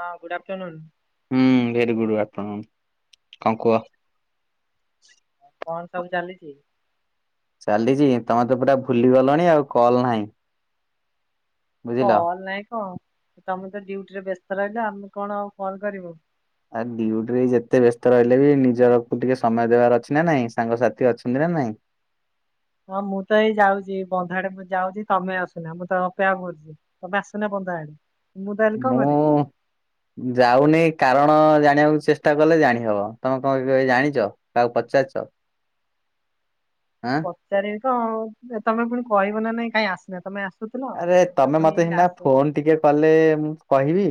ହଁ good afternoon. ହୁଁ very good afternoon. କଣ କୁଅ? କଣ ସବୁ ଚାଲିଚି? ଚାଲିଚି ତମେ ତ ପୁରା ଭୁଲି ଗଲଣି ଆଉ କଲ ନାହିଁ। ବୁଝିଲ। କଲ ନାଇଁ କଣ? ତମେ ତ ଡ୍ୟୁଟିରେ ବ୍ୟସ୍ତ ରହିଲ ଆମେ କଣ ଆଉ କଲ କରିବୁ। ଆ ଡିଉଟିରେ ଯେତେ ବ୍ୟସ୍ତ ରହିଲେ ବି ନିଜରକୁ ଟିକେ ସମୟ ଦେବାର ଅଛି ନା ନାଇଁ ସାଙ୍ଗସାଥି ଅଛନ୍ତି ନା ନାଇଁ। ହଁ ମୁଁ ତ ଏଇ ଯାଉଚି ବନ୍ଧ ଆଡେ ମୁଁ ଯାଉଚି ତମେ ଆସୁନ ମୁଁ ତ ଅପେକ୍ଷା କରୁଚି ତମେ ଆସୁନା [unintelligible] କଣ କରିବି ମୁଁ ଯାଉନେଇ କାରଣ ଜା ଜାଣିବାକୁ ଚେଷ୍ଟା କଲେ ଜାଣି ହବ ତମେ କଣ କେବେ ଜାଣିଚ କାହାକୁ ପଚାରିଚ। ପଚାରିବି କଣ ତମେ ପୁଣି କହିବ ନା ନାଇଁ କାଇଁ ଆସିନ ତମେ ଆସ ଆସୁଥିଲ ଆରେ ଆଉ ତମେ ପୁଣି ମତେ ଏଇ ସିନା ଫୋନ ଟିକେ କଲେ ମୁଁ କହିବି।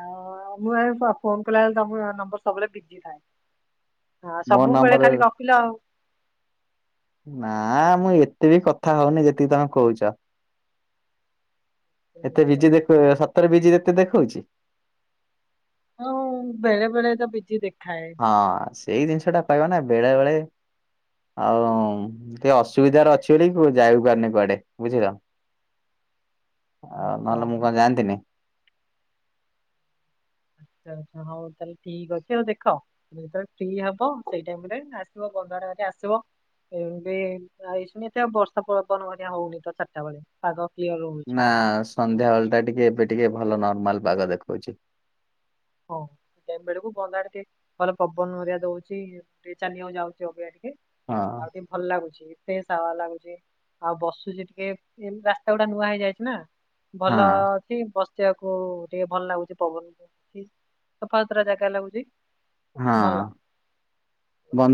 ଆଉ ମୁଁ ଏଇ ପା ଫୋନ କଲା ବେଳେ ତମକୁ ନମ୍ବର ସବୁବେଳେ ବିଜି ଥାଏ। ହଁ ମୋ ସବୁବେଳେ ନମ୍ବର ଖାଲି ଗପିଲ ଆଉ। ନା ମୁଁ ଏତେ ବି କଥା ହଉନି ଯେତିକି ତମେ କହୁଚ। ଏତେ ଆଚ୍ଛା। ବିଜି ଦେଖ ସତରେ ବିଜି ଏତେ ଦେଖୋଉଚି। ହଉ ବେଳେବେେଳେ ତ ବିଜି ଦେଖ ହଁ ସେଇ ଜିନିଷ ଟା କହିବନା ବେଳେ ବେଳେ ଆଉ ଟିକେ ଅସୁବିଧାରେ ଅଛି ବୋଲି କୁ ଯାଇ ପାରୁନି କୁଆଡେ ବୁଝିଲ। ଆଉ ନହେଲେ ଆଚ୍ଛା ମୁଁ କଣ ଜାଣିନ୍ତିିନି। ଆଛା ଆଛା ହଉ ତାହେଲେ ଠିକ୍ ଅଛି ଆଉ ଦେଖ ଯେତେବେଳେ ଫ୍ରି ହବ ସେଇ ଟାଇମ୍ ରେ ଆସିବ ବନ୍ଦର ଆଡେ ଆସିବ ଏମିତି ଆ ଏଇଶୁଣି ଏତ ବର୍ଷା ପବନ ହେରିକା ହଉନି ତ ଚାରିଟା ବେଳେ ପାଗ କ୍ଲିୟର୍ ରହୁଛି ନା ହଁ ସନ୍ଧ୍ୟାବେଳ ଟା ଟିକେ ଏବେ ଟିକେ ଭଲ ନର୍ମାଲ ପାଗ ଦେଖଉଚି। ହଉ। ଟାଇମ୍ ବେଳକୁ ବନ୍ଦ ଆଡ ଟିକେ ଭଲ ପବନ ହେରିକା ଦଉଚି ଟିକେ ଚାଲିବାକୁ ଯାଉଚି ଅବିକା ଟିକେ। ହଁ ଆଉ ଟିକେ ଭଲ ଲାଗୁଚି। ଫ୍ରେସ୍ ହାୱା ଲାଗୁଚି ଆଉ ବସୁଚି ଟିକେ ଏ ରାସ୍ତା ଗୁଡା ନୂଆ ହେଇଯାଇଚି ନା। ହଁ ଭଲ ଅଛି ବସିବାକୁ ଟିକେ ଭଲ ଲାଗୁଚି ପବନକୁ। ସଫାତୁରା ଜାଗା ଲାଗୁଚି। ହଁ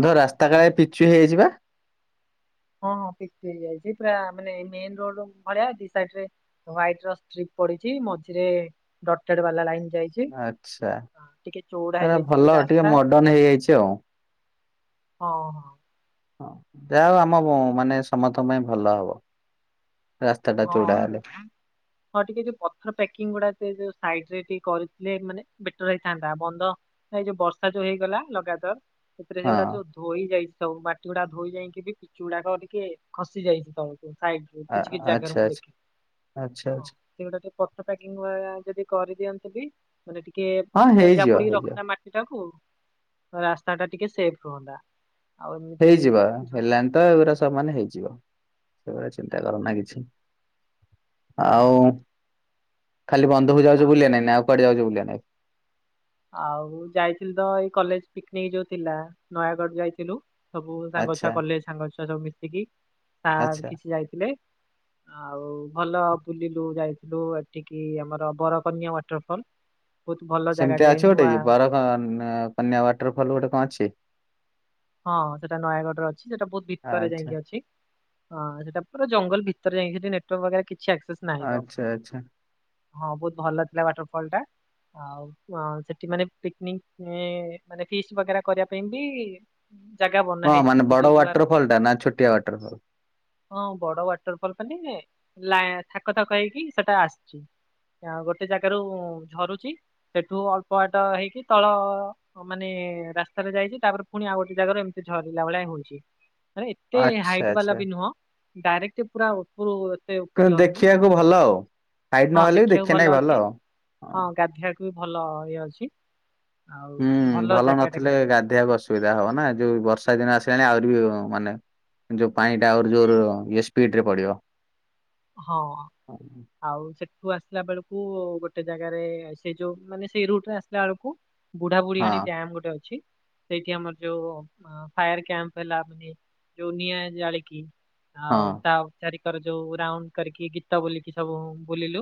ଭଲ ରାସ୍ତା ଅଛି। କାଳେ ପିଚୁ ହେଇଯାଇଚି ପା? ହଁ ହଁ ପିଚୁ ହେଇଯାଇଛି ପୁରା ମାନେ ମେନ୍ ରୋଡ ଭଳିଆ ଦି ସାଇଡ୍ ରେ ହ୍ୱାଇଟ୍ ର ଷ୍ଟ୍ରୀ ପଡିଚି ମଝିରେ ଡଟଟେଡ ବାଲା ଲାଇନ୍ ଆଚ୍ଛା ମାନେ ହେଇଯାଇଛି ବି ଭଲ ଟିକେ ରାସ୍ତା ମଡର୍ଣ ହେଇଯାଇଚି ଆଉ। ହଁ ହଁ। ହଁ ଯାହା ହଉ ଆମ ମାନେ ସମସ୍ତଙ୍କ ପାଇଁ ଭଲ ହବ। ରାସ୍ତା ଟା ହଁ ଚଉଡା ହଁ ସେ ହେଲେ ହଁ ଟିକେ ଯୋଉ ପଥର ପେକିଂ ଗୁଡା ସେ ଯୋଉ ସାଇଡ ରେ ଟିକେ କରିଥିଲେ ମାନେ ବେଟର ହେଇଥାନ୍ତା ବନ୍ଧ ଏ ଏଇ ଯୋଉ ବର୍ଷା ଯୋଉ ହେଇଗଲା ଲଗାତାର ସେଥିରେ ହଁ ସେଗୁଡା ସବୁ ଧୋଇ ଯାଇଚି। ସବୁ ମାଟି ଗୁଡା ଧୋଇ ଯାଇକି ବି ପିଚୁ ଗୁଡାକ ଟିକେ ଖସି ଯାଇଚି ତଳକୁ ସାଇ ଆ- ଜାଗରେ ଆଚ୍ଛା ମୁଁ ଆଚ୍ଛା ଦେଖେ ଆଚ୍ଛା ହଉ ଆଚ୍ଛା ସେ ଗୁଡ଼ା ଟିକେ ପକି ଯଦି କରିଦିଅ ମାନେ ଟିକେ ହଁ ହେଇଯିବ ଜାବୁଡିକି ହେଇଯିବ ରଖନ୍ତା ମାଟି ଟାକୁ ରାସ୍ତା ଟା ଟିକେ ସେଫ ରୁହନ୍ତା। ଆଉ ଏମିତି ହେଇଯିବ ଯୋଉ ହେଲାଣି ତ ଏଗୁୁରା ସବ ମାନେ ହେଇଯିବ। ସେଭଳିଆ ଚିନ୍ତା କରନା କିଛି, ଉଁ, ଆଉ ଖାଲି ବନ୍ଧକୁ ଯାଉଛ ଆଉ ବୁଲିଆ ନାଗି ନା ଆଉ କୁଆଡେ ଯାଉଛ ବୁଲିଆ ନାଗି? ଆଉ ଯାଇଥିଲୁ ତ ଏଇ କଲେଜ ପିକନିକ୍ ଯୋଉ ଥିଲା ନୟାଗଡ ଯାଇଥିଲୁ। ସବୁ ଆଚ୍ଛା ସାଙ୍ଗଛୁଆ କଲେଜ ସାଙ୍ଗ ଛୁଆ ସବୁ ମିଶିକି ସାର୍ ଆଚ୍ଛା। କିଛି ଯାଇଥିଲେ। ଆଉ ଭଲ ବୁଲିଲୁ ଯାଇଥିଲୁ ଏଠିକି ଆମର ବରକନ୍ୟା ୱାଟରଫଲ ବହୁତ ଭଲ ଜାଗା ସେମିତିଆ ଅଛି ଗୋଟେ କି ବରକନ୍ୟା ୱାଟରଫଲ ଗୋଟେ କଣ ଅଛି। ହଁ ସେଟା ନୟାଗଡ଼ରେ ଅଛି ସେଟା ବହୁତ ଭିତରେ ଆଚ୍ଛା ଯାଇଁକି ଅଛି ହଁ ସେଟା ପୁରା ଜଙ୍ଗଲ ଭିତ ସତରେ ଯାଇଁକି ସେଠି ନେଟୱାର୍କ ପାଖରେ ଆଛା ଆଛା। ହଁ ବହୁତ ଭଲ ଥିଲା ୱାଟରଫଲ ଟା। ଆଉ ମ୍ ସେଠି ମାନେ ପିକନିକ ଇଁ ମାନେ ଫିସ୍ ବଗେରା କରିବା ପାଇଁକି ଜାଗା ବନା ହଁ ହେଇଚି ମାନେ ସେ ବଡ ଯୋଉ ଲୁହାର। ୱାଟର ଫଲ୍ ଟା ନା ଛୋଟିଆ ୱାଟର ଫଲ୍? ହଁ ବଡ ୱାଟରଫଲ ମାନେ ଲା ଥାକ ଥାକ ହେଇକି ସେଟା ଆସିଚି। ଆଁ ଗୋଟେ ଜାଗାରୁ ଝରୁଚି ସେଠୁ ଅଳ୍ପ ବାଟ ହେଇକି ତଳ ମାନେ ଟିକେ ରାସ୍ତାରେ ଯାଇଚି ତାପରେ ପୁଣି ଆଉ ଗୋଟେ ଜାଗାରୁ ଏମିତି ଝରିଲା ଭଳିଆ ହୋଉଚି। ମାନେ ଏତେ ଆଚ୍ଛା ହାଇଟବାଲା ଆଚ୍ଛା ବି ନୁହଁ ଡାଇରେକ୍ଟ ପୁରା ଉପରୁ ଏତେ ଉପରୁ କିନ୍ତୁ ଝରୁନି। ଦେଖିବାକୁ ଭଲ ଆଉ। ହାଇଟ୍ ହଁ ନହେଲେ ବି ଦେଖିବାକୁ ଦେଖିବା ନାଗି ଭଲ ଅଛି ଆଉ। ହଁ ଗାଧୋଇବାକୁ ବି ଭଲ ଇଏ ଅଛି। ଆଉ ହୁଁ ଭଲ ଜାଗାଟା ନଥିଲେ କିନ୍ତୁ ଗାଧେଇବାକୁ ଅସୁବି ଯାହା ହବ ନା ଯୋଉ ବର୍ଷା ଦିନ ଆସିଲାଣି ଆହୁରି ବି ମାନେ ଯୋଉ ପାଣି ଟା ଆଉ ଜୋର ଇଏ ସ୍ପିଡରେ ପଡିବ। ହଁ ହଁ ଆଉ ସେଠୁ ଆସିଲା ବେଳୁ କୁ ଗୋଟେ ଜାଗାରେ ସେ ଯୋଉ ମାନେ ସେଇ ରୁଟରେ ଆସିଲା ବେଳୁକୁ ବୁଢାବୁଢିଆଣି ଡ୍ୟାମ ଗୋଟେ ଅଛି। ସେଇଠି ଆମର ଯୋଉ ଫାୟାର କ୍ୟାମ୍ପ ହେଲା ଯୋଉ ନିଆଁ ଜାଳିକି। ହଁ ଆଉ ତା ଉପ ଚାରିକର ଯୋଉ ରାଉଣ୍ଡ କରିକି ଗୀତ ବୁଲିକି ସବୁ ବୁଲିଲୁ।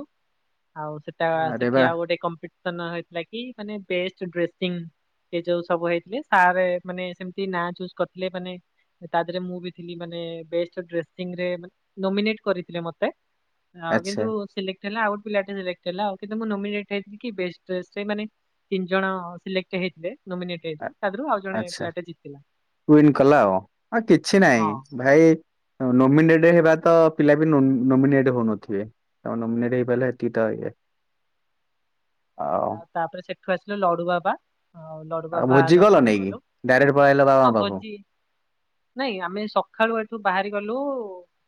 ଆଉ ସେଟା ଆରେ ସେଠି ବା ଆଉ ଗୋଟେ କମ୍ପିଟିସନ୍ ହେଇଥିଲା କି ମାନେ ବେଷ୍ଟ ଡ୍ରେସିଂ ଏ ଯୋଉ ସବୁ ହେଇଥିଲେ ସାର୍ ମାନେ ସେମିତି ନାଁ ଚୁଜ କରିଥିଲେ ମାନେ ତା ଦେହରେ ମୁଁ ବି ଥିଲି ମାନେ ସେ ବେଷ୍ଟ ଡ୍ରେସିଂ ରେ ନୋମିନେଟ କରିଥିଲେ ମୋତେ ଆଉ ଆଚ୍ଛା। କିନ୍ତୁ ସିଲେକ୍ଟ ହେଲା ଆଉ ଗୋଟେ ପିଲାଟେ ସିଲେକ୍ଟ ହେଲା ଆଉ କିନ୍ତୁ ମୁଁ ନୋମିନେଟ୍ ହେଇଥିଲି କି ବେଷ୍ଟ୍ ଡ୍ରେସରେ ସେ ମାନେ ତିନି ଜଣ ସିଲେକ୍ଟ ହେଇଥିଲେ। ନୋମିନେଟ୍ ହେଇଥିଲା ତା ଦେହରୁ ଆଉ ଜଣ ପିଲାଟେ ଜିତିଲା। ୱିନ କଲା ଆଉ ଅଂ କିଛି ନାହିଁ ହଁ ଭାଇ ନୋମିନେ ସେ ହେବା ତ ପିଲା ବି ନୋମି-ନୋମିନେଟ୍ ହେଉନଥିବେ। ତାଙ୍କର ନୋମିନେଟ୍ ହେଇପାରିଲା ଏତିକି ତ ଇଏ ଆଉ ତାପରେ ସେଠୁ ଆସିଲୁ ଲଡୁବାବା ଆଉ ଭୋଜି କଲ ନେଇକି ଡାଇରେକ୍ଟ ପଳେଇଲ ହଁ ବାବାଙ୍କ ପାଖକୁ? ଭୋଜି ନାଇଁ ଆମେ ସକାଳୁ ଏଠୁ ବାହାରି ଗଲୁ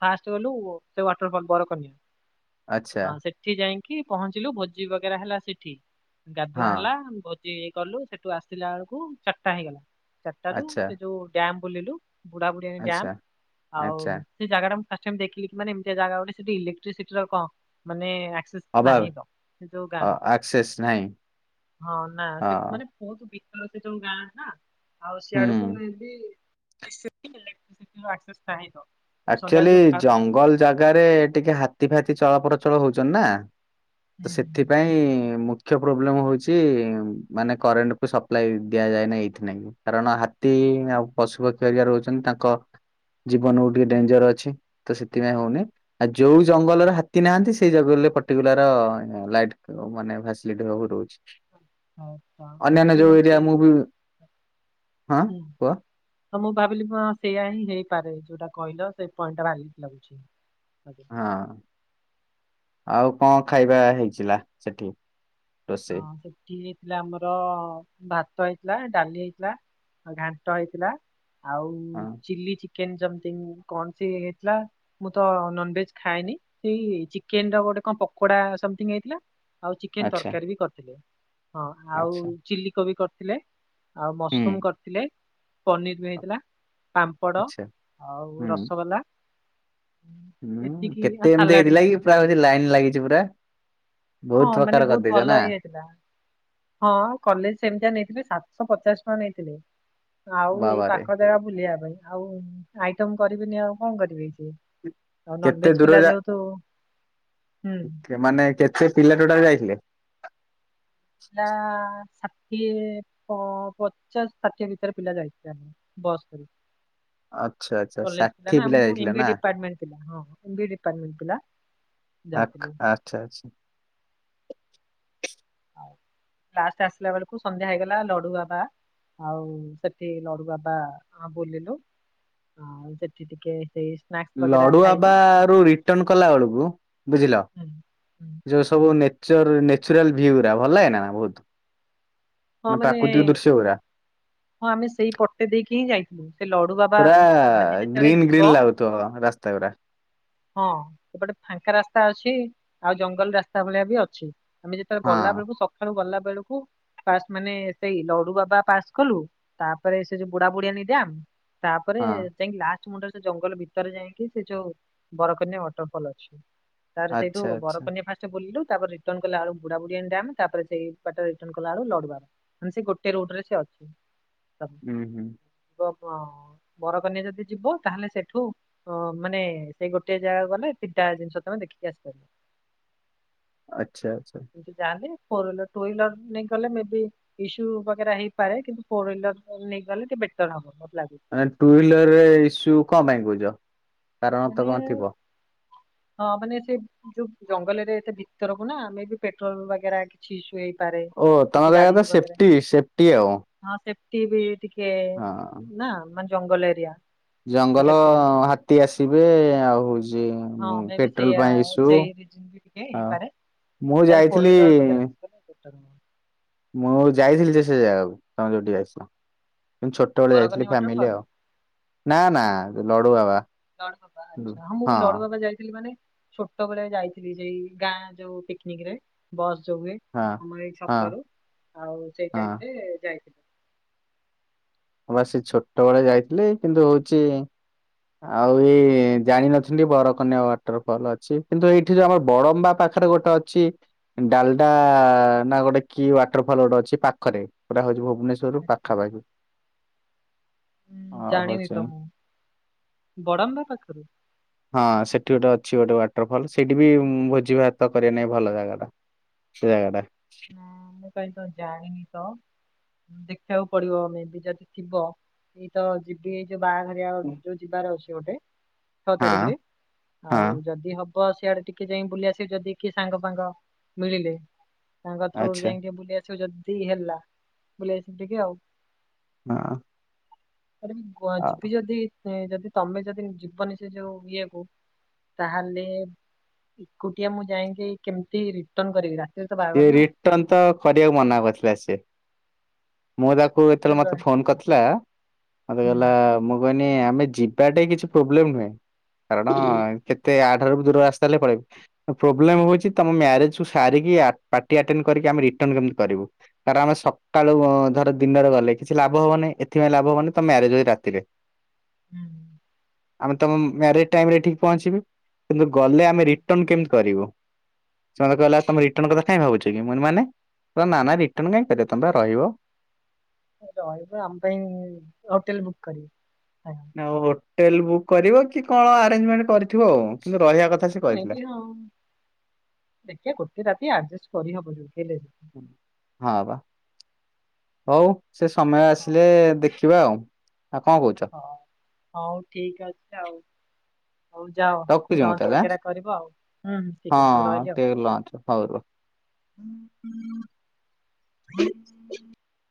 ଫାଷ୍ଟ ଗଲୁ ସେ ୱାଟରଫଲ ବରକନ୍ୟା। ଆଚ୍ଛା ହଁ ସେଠି ଯାଇଁକି ପହଞ୍ଚିଲୁ ଭୋଜି ବଗେରା ହେଲା ସେଠି। ଗାଧୁଆ ହଁ ହେଲା ଭୋଜି କଲୁ। ସେଠୁ ଆସିଲା ବେଳକୁ ଚାରିଟା ହେଇଗଲା। ଚାରିଟା ରୁ ଆଚ୍ଛା ସେ ଯୋଉ ଡ୍ୟାମ ବୁଲିଲୁ ବୁଢାବୁଢିଆଣି ଆଚ୍ଛା ଡ୍ୟାମ ଆଉ ଆଚ୍ଛା ସେ ଜାଗାଟା ମୁଁ ଫାଷ୍ଟ ଟାଇମ୍ ଦେଖିକି ମାନେ ଏମିତିଆ ଜାଗା ଗୋଟେ ସେଠି ଇଲେକ୍ଟ୍ରସିଟିର କମ୍ ମାନେ ସେଟ୍ ଅଭାବ ନାହିଁ ତ ସେ ଯୋଉ ଗାଁ ଆକ୍ସେସ୍ ନାହିଁ ହଁ ନା ହଁ ସେ ମାନେ ବୋହୁତ ବିକଳ ସେ ଯୋଉଁ ଗାଁ ନା ଆଉ ସିଆଡ କୁ ହୁଁ ମେ ବି ଇକ୍ଲେଟସିଟିର ଆକ୍ସେସ୍ ନାହିଁ ତ। ମୁଁ ସନ୍ଧ୍ୟାବେଳେ ଆକ୍ଚୁଆଲି ଯୋଉ ବାହାରୁଛି ଜଙ୍ଗଲ ଜାଗାରେ ଟିକେ ହାତୀ ଫାତି ଚଳପ୍ରଚଳ ହୋଉଚନ୍ତି ନା। ହୁଁ ହୁଁ ସେଥିପାଇଁ ମୁଁ ମୁଖ୍ୟ ପ୍ରୋବଲେମ୍ ହୋଉଚି ମାନେ କରେଣ୍ଟ କୁ ସପ୍ଲାଇ ଦିଆଯାଏନା ଏଇଥିନାଇଁ କାରଣ ହାତୀ ତୀ ଆଉ ପଶୁପକ୍ଷୀ ହେରିକା ରହୁଚନ୍ତି ତାଙ୍କ ଜୀବନ ହୋଉ ଟିକେ ଡେଞ୍ଜର ଅଛି ତ ସେଥିପାଇଁ ହୋଉନି ଆଉ ଯୋଉ ଜଙ୍ଗଲରେ ହାତୀ ନାହାନ୍ତି ସେଇ ଜଙ୍ଗଲରେ ପର୍ଟିକୁଲାର ହଁ ଆଜ୍ଞା ଲାଇଟ୍ ମାନେ ଫ୍ୟାସଲିଟି ରହୁ ରହୁଚି। ଏରିଆ ମୁଁ ବି [unintelligible] ହଁ କୁହ। ହଁ ମୁଁ ଭାବିଲି ପା ସେଇୟା ହିଁ ହେଇପାରେ ଯୋଉଟା କହିଲ ସେ ପଏଣ୍ଟ ଟା ଭାଲିଡ୍ ଲାଗୁଚି। ହଁ ଆଉ କଣ ଖାଇବା ହେଇଚିଲା ସେଠି। ରୋଷେଇ ହଁ ସେଠି ଥିଲା ଆମର ଭାତ ହେଇଥିଲା ଡାଲି ହେଇଥିଲା ଆଉ ଘାଣ୍ଟ ହେଇଥିଲା। ଆଉ ହଁ ଚଲି ଚି କେନ୍ ସମ୍ଥିଙ୍ଗ କଣ ସିଏ ହେଇଥିଲା ମୁଁ ତ ନନଭେଜ ଖାଏନି ସେଇ ଚିକେନର ଗୋ ଗୋଟେ କଣ ପକୋଡା ସମଥି ହେଇଥିଲା। ଆଉ ଚିକେନ ଆଚ୍ଛା ତରକାରୀ ବି କରିଥିଲେ। ହଁ ଆଉ ଆଚ୍ଛା ଚିଲ୍ଲି କୋବି କରିଥିଲେ। ଆଉ ହୁଁ ମସରୁମ କରିଥିଲେ। ପନିର ବି ହେଇଥିଲା ପାମ୍ପଡ ଆଚ୍ଛା ଆଉ ହୁଁ। ରସଗୋଲା। ହୁଁ ଏତିକି କେତେ ଆଉ ଏମିତି ସାଲାଡ ହେଇଥିଲା କି ପୁରା ବୋଧେ ଲାଇନ ଲାଗିଚି ପୁରା? ହଁ ବୋହୁତ ମାନେ ପ୍ରକାର ବହୁତ କରିଦେଇଚ ଭଲ ନା? ଇଏ ହେଇଥିଲା ହଁ କଲେଜ ସେମିତିଆ ନେଇଥିଲେ ସାତଶହ ପଚାଶ ଟଙ୍କା ନେଇଥିଲେ। ଆଉ ଏଇ ବାବାରେ ପାଖ ଜାଗା ବୁଲିବା ପାଇଁ। ଆଉ ଆଇଟମ କରିବିନି ଆଉ କଣ କରିବେ। ଉଁ ଆଉ କେତେ ନନଭେଜ ଦୂର ପିଲା ଯେହେତୁ ହୁଁ ମାନେ କେତେ ପିଲା ଟୋଟାଲ୍ ଯାଇଥିଲେ? ପିଲା ସାତ୍ ଇଏ ପ-ପଚାଶ ଷାଠିଏ ଭିତରେ ପିିଲ ଯାଇଥିଲେ ନା କଣ ବସ୍ କରି। ଆଚ୍ଛା ଆଚ୍ଛା କଲେଜ ପିଲା ଷାଠିଏ ନା ଯାଇଥିଲେ ନା ଏମ୍ବି ଡିପାଟ ମେଟ ଥିଲୁ ହଁ ଏମ୍ବି ଡିପାଟ ମେଟ ପିଲା। ଆ ଯାଇଥିଲେ ଆଚ୍ଛା ଆଚ୍ଛା। ଲାଷ୍ଟ ଆସିଲା ବେଳକୁ ସନ୍ଧ୍ୟା ହେଇଗଲା ଲଡୁବା ବା। ଆଉ ସେଠି ଲଡୁଗଦ ବୁଲିଲୁ ଆଉ ସେଠି ଟିକେ ସେଇ ସ୍ନାକ୍ସ ବଗେରା ଲଡୁଆ ଖାଇଲୁ ବା ର ରିଟର୍ଣ କଲା ବେଳକୁ ବୁଝିଲ ହୁଁ, ହୁଁ। ଯୋଉ ସବୁ ନେଚର ନେଚୁରାଲ ଭିଉ ଭଲନା ବହୁତ। ହଁ ନା ମାନେ ପ୍ରାକୃତିକ ଦୃଶ୍ୟ ଗୁରା [inaudible] ହଁ ଆମେ ସେଇ ପଟେ ଦେଇକି ହିଁ ଯାଇଥିଲୁ। ଲଡୁ ବାବା ପୁରା ମାନେ ଯେତେବେଳେ ଗ୍ରୀନ୍ ଯିବ ଗ୍ରୀନ୍ ଲାଗୁଥିବ ରାସ୍ତା ଗୁରା। [inaudible] ହଁ ସେପଟେ ଫାଙ୍କା ରାସ୍ତା ଅଛି। ଅଛି ଆଉ ଜଙ୍ଗଲ ରାସ୍ତା ଭଳିଆ ବି ଅଛି। ଆମେ ଯେତେବେଳେ ହଁ ଗଲା ବେଳକୁ ସକାଳୁ ଗଲା ବେଳକୁ ଫା ମାନେ ସେଇ ଲଡୁ ବାବା ପାସ୍ କଲୁ ତାପରେ ସେ ଯୋଉ ବୁଢା ବୁଢଆ ନିଦଆମ। ତାପରେ ହଁ ଯାଇଁକି ଲାଷ୍ଟ ମୁଣ୍ଡ ଜଙ୍ଗଲ ଭିତରେ ଯାଇକି ସେ ଯୋଉ ବରକନ୍ୟା ୱାଟରଫଲ୍ ଅଛି। ତାର ସେଇଠୁ ଆଚ୍ଛା ଆଚ୍ଛା ବରକନ୍ୟା ଫାଷ୍ଟ ବୁଲିଲୁ। ତାପରେ କଲା ବୁଡାବୁଡିଆଣି ଡ୍ୟାମ ସେଇ ପଟେ ରିଟନ କଲାବେଳକୁ ସେ ଗୋଟେ ରୁଟରେ ସେ ଅଛି। ହୁଁ ହୁଁ। ହଁ। ବରକନ୍ୟା ଯଦି ଯିବ ତାହେଲେ ସେଠୁ ଅ ମାନେ ସେଇ ଗୋଟେ ଜାଗା ଗଲେ ତିଟା ଜିନିଷ ତମେ [unintelligible] ଆଚ୍ଛା ଆଚ୍ଛା। ଫୁଲ ନେଇ ଗଲେ ଇସ୍ୟୁ ବ ହେଇପାରେ କିନ୍ତୁ ଫୋର ହର ନେଇଗଲେ ଟିକ ବେଟର ହବ। ଲାଗୁଛି। ମାନେ ଟୁ ହିଲର ରେ ଇସ୍ୟୁ କଣ ପାଇଁ କହୁଛ। କାରଣ ତ କଣ ଥିବ? ହ ହଁ ମାନେ ସେଇ ଯୋଉ ଜଙ୍ଗଲରେ ଏତେ ଭିତରକୁ ନା ଆମେ ବି ପେଟ୍ରୋଲ ବଗୋ କିଛି ଶୁ ଓ ତମ ଜାଗା ତ ସେଫ୍ଟି ସେଫ୍ଟି ଆଉ ହଁ ସେଫ୍ଟି ଟିକେ ହଁ। ନା ମାନେ ଜଙ୍ଗଲ ଏରିଆ। ତ ଜଙ୍ଗଲ ସେଥିଲାଗି। ହାତୀ ଆସିବେ ଆଉ ହଉଛି ହଁ ଯେ ମେ ବି ପେଟ୍ରୋଲ ସେଇଆ ପାଇଁ ଏସୁ ସେଇ ରିଜିନ ବି ଟିକେ ହଁ। ହେଇପାରେ। ମୁଁ ତାହେଲେ ଫୋର ଯାଇଥିଲି ହ୍ୱିଲର ବଗେରା [inaudible] ମୁଁ ଯାଇଥିଲି ଯେ ସେ ଜାଗାକୁ ତମ ଯଉଠିକି ଯାଇଥିଲ। ଛୋଟବେେଳେ ବରକନି ଯାଇଥିଲି ୱାଟର ଫ୍ୟାମିଲି ଫଲ୍ ଆଉ ନା ନା ଲଡୁବାବା। ଲଡୁବାବା ଆଛା ହଁ ମୁଁ ବି ଲଡୁବାବା ଯାଇଥିଲି ମାନେ ଛୋଟବେଳେ ଯାଇଥିଲି ସେଇ ଗାଁ ଯୋଉ ପିକନିକରେ ବସ୍ ହୁଏ ହଁ ଆମର ଏଇ ଛକରୁ ଆଉ ସେଇ ଟାଇମରେ ହଁ ଯାଇଥିଲେ। ମୁଁ ସେ ଛୋଟବେଳେ ଯାଇଥିଲି କିନ୍ତୁ ହଉଛି ଆଉ ଏଇ ଜାଣିିନଥିଲି ବରକନ୍ୟା ୱାଟରଫଲ୍ ଅଛି। କିନ୍ତୁ ଏଇଠି ଯୋଉ ଆମର ବଡମ୍ବା ପାଖ ପାଖରେ ଗୋଟେ ଅଛି। ଡାଲଡା ନା ଗୋଟେ କି ୱାଟରଫଲ୍ ଗୋଟେ ଅଛି ପାଖରେ ପୁରା ହଉଛି ଭୁବନେଶ୍ଵର। ରୁ ଆଚ୍ଛା। ପାଖାପାଖି। ଆଉ ଜାଣିନି ହଉଛି ତ [inaudible] ମୁଁ ବଡମ୍ବା ପାଖରୁ [inaudible] ତ ଅଛି ଗୋଟେ ୱାଟରଫଲ୍। ସେଇଠି ବି ଭୋଜି ଭାତ କରିବା ନେଇଁ ଭଲ ଜାଗାଟା ସେ ଜାଗାଟା। ସେ ଜାଗାଟା ହଁ ମୁଁ କାଇଁତ ଜାଣିନି ତ। ଦେଖିବାକୁ ପଡିବ ଆମେ ବି ଯଦି ଥିବ ଏଇ ତ ଯିବି ଏଇ ବାହାଘରଆ ଯୋଉ ଯିବାର ଅଛି ଗୋଟେ ଛଅ ହଁ ତାରିଖରେ ଆଉ ହଁ ଯଦି ହବ ସିଆଡେ ଟିକେ ଯାଇ ବୁଲି ଆସିବି। ଯଦି କିଏ ସାଙ୍ଗ ଫାଙ୍ଗ ମିଳିଲେ। ତାଙ୍କଥରୁ ଆଚ୍ଛା ଯାଇ ଟିକେ ବୁଲି ଆସିବୁ ଯଦି ହେଲା ବୁଲି ଆସିବୁ ଟିକେ ଆଉ। ହଁ। ଆରେ ଆଉ ଯିବି ଯଦି ଯଦି ତମେ ଯଦି ଯିବନି ସେ ଯୋଉ ଇଏ କୁ ତାହେଲେ ଏକୁଟିଆ ମୁଁ ଯାଇକି କେମିତି ରିଟର୍ନ କରିବି ରାତିରେ ତବା ସେ ରିଟର୍ନ ତ କରିବାକୁ ମନା କରିଥିଲା ସେ। ମୁଁ ତାକୁ ରାତିରେ ଯେତେବେଳେ ମତେ ରହି ଫୋନ କରିଥିଲା ମତେ ହୁଁ କହିଲା ମୁଁ କ ଆମେ ଯିବାଟ କି ପ୍ରୋବଲେମ ନାହିଁ କାରଣ ହୁଁ କେତେ ଦୂର ରାସ୍ତା ହେଲେ ପଳେଇବି ପ୍ରୋବ୍ଲେମ ହଉଛି ତମ ମ୍ୟାରେଜକୁ ସାରିକି ପାର୍ଟି ଆଟେଣ୍ଡ କରକିି ଆମେ ରିଟର୍ଣ କେମତି କରିବୁ। କାରଣ ଆମେ ସକାଳୁ ଧର ଦିନରେ ଗଲେ କିଛି ଲାଭ ହବନି। ଏଥିପାଇଁ ଲାଭ ହବନି ତମ ମ୍ୟାରେଜ ହଉଛି ରାତିରେ। ହୁଁ। ଆମେ ତମ ମ୍ୟାରେଜ ଟାଇମରେ ଠିକ ପହଞ୍ଚିବୁ କିନ୍ତୁ ଗଲେ ଆମେ ରିଟର୍ନ କେମିତି କରିବୁ। ସେ ମତେ କହିଲା ତମେ ରିଟର୍ନ କଥା କାଇଁ ଭାବୁଛି କି ମୁ ମାନେ ମା ନା ରିଟର୍ନ କାଇଁ କରିବ ତମେ ପା ରହିବ। ଆମ ପାଇଁ ହୋଟେଲ ବୁକ୍ କରିବ। ଆଉ ହୋଟେଲ ବୁକ୍ କରିବ କି କଣ ଆରେଞ୍ଜମେଣ୍ଟ କରିଥିବ ଆଉ। ରହିବା କଥା ସେ ଏ କହିଥିଲା। ହ ଦେଖିବା ଗୋଟେ ରାତି ଅର୍ଜେଷ୍ଟ କରିହବ ଯୋଉଠି ହେଲେ ବି। ହଁ ବା ହଉ ସେ ସମୟ ହଁ ଆସିଲେ ଦେଖ ଯିବା ଆଉ। ଆଉ କଣ କହୁଛ ହଁ ହଉ ଠିକ ଅଛି ଆଉ। ହଉ ଯାଅ ରଖୁଛି ମୁଁ ଲଞ୍ଚ ତାହେଲେ ବଗେରା କରିବ ଆଉ ହୁଁ ଆଁ ଠିକ ଅଛି ହଁ ରହିଲି ଆଉ। ଟିକେ ଲଞ୍ଚ ହଉ ରୁହ। [unintelligible] [unintelligible]